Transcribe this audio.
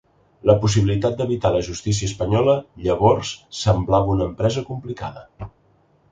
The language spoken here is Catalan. La possibilitat d’evitar la justícia espanyola llavors semblava una empresa complicada.